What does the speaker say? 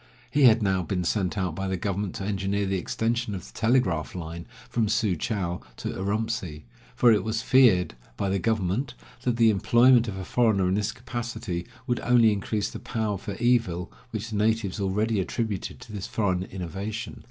He had now been sent out by the government to engineer the extension of the telegraph line from Su chou to Urumtsi, for it was feared by the government that the employment of a foreigner in this capacity would only increase the power for evil which the natives already attributed to this foreign innovation.